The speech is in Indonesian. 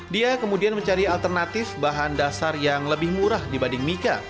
dia kemudian mencari alternatif bahan dasar yang lebih murah dibanding mika